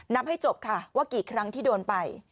ให้จบค่ะว่ากี่ครั้งที่โดนไป